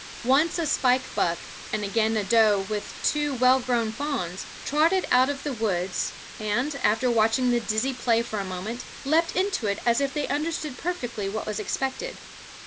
Once a spike buck, and again a doe with two well grown fawns, trotted out of the woods and, after watching the dizzy play for a moment, leaped into it as if they understood perfectly what was expected.